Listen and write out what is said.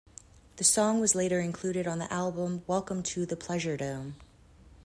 The song was later included on the album "Welcome to the Pleasuredome".